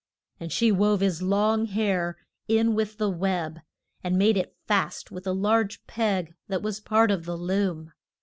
And she wove his long hair in with the web, and made it fast with a large peg that was part of the loom.